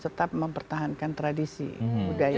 tetap mempertahankan tradisi budaya